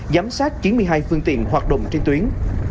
giám sát chín mươi hai phương tiện hoạt động trên tuyến